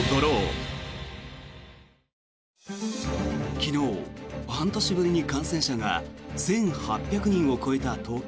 昨日、半年ぶりに感染者が１８００人を超えた東京。